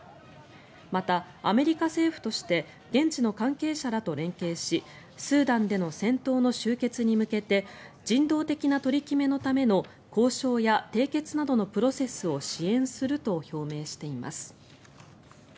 また、アメリカ政府として現地の関係者らと連携しスーダンでの戦闘の終結に向けて人道的な取り決めのための交渉や締結などのプロセスを支援すると表明しています。